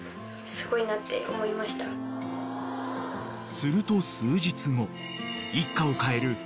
［すると数日後］